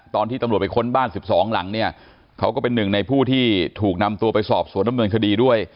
ตอนที่ตำรวจไปค้นบ้าน๑๒หลังเนี่ยเขาก็เป็นหนึ่งในผู้ที่ถูกนำตัวไปสอบสวนดำเนินคดีด้วย